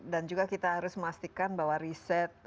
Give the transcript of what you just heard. dan juga kita harus memastikan bahwa riset